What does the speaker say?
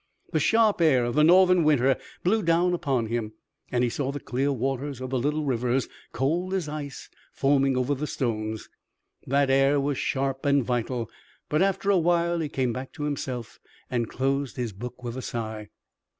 The sharp air of the northern winter blew down upon him, and he saw the clear waters of the little rivers, cold as ice, foaming over the stones. That air was sharp and vital, but, after a while, he came back to himself and closed his book with a sigh.